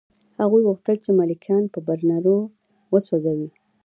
هغوی غوښتل چې ملکیان په برنر وسوځوي